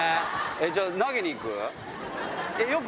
じゃあ、投げに行く？